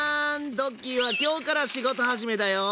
ドッキーは今日から仕事始めだよ。